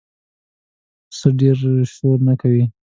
پسه ډېره شور نه کوي.